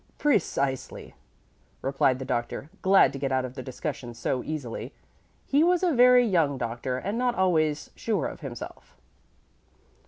"Precisely," replied the Doctor, glad to get out of the discussion so easily. He was a very young doctor, and not always sure of himself.